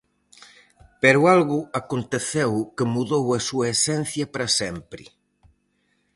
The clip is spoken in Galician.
Pero algo aconteceu que mudou a súa esencia para sempre.